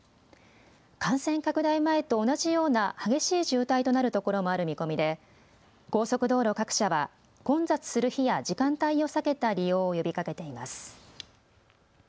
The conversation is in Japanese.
感染拡大前と同じような激しい渋滞となるところもある見込みで高速道路各社は混雑する日や時間帯を避けた利用を呼びかけています。